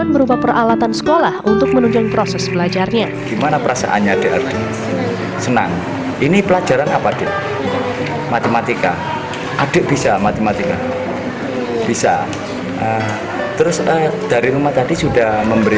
terus dari rumah tadi sudah memberi makan ibu sudah